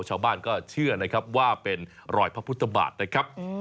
ชาวบ้านก็เชื่อนะครับว่าเป็นรอยพระพุทธบาทนะครับ